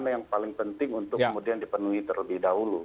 yang paling penting untuk kemudian dipenuhi terlebih dahulu